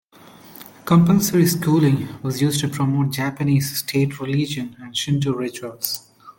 Compulsory schooling was used to promote Japanese state religion and Shinto rituals.